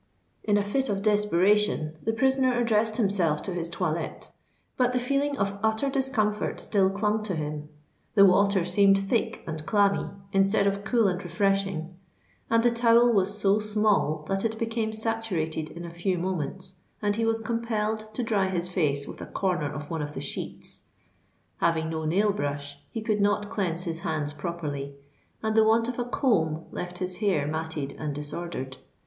In a fit of desperation the prisoner addressed himself to his toilette: but the feeling of utter discomfort still clung to him. The water seemed thick and clammy, instead of cool and refreshing; and the towel was so small that it became saturated in a few moments, and he was compelled to dry his face with a corner of one of the sheets. Having no nail brush, he could not cleanse his hands properly; and the want of a comb left his hair matted and disordered.